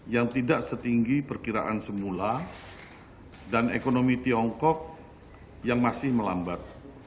yang tidak setinggi perkiraan semula dan ekonomi tiongkok yang masih melambat